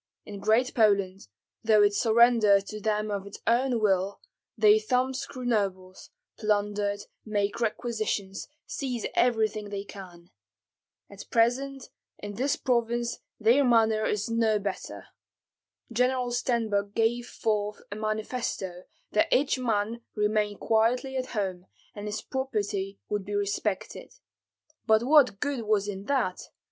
In Great Poland, though it surrendered to them of its own will, they thumbscrew nobles, plunder, make requisitions, seize everything they can. At present in this province their manner is no better. General Stenbok gave forth a manifesto that each man remain quietly at home, and his property would be respected. But what good was in that!